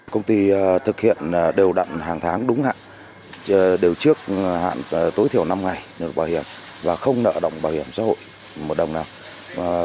công ty thực hiện đều đặn hàng tháng đúng hạn đều trước hạn tối thiểu năm ngày nợ bảo hiểm và không nợ động bảo hiểm xã hội một đồng nào